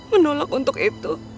menolak untuk itu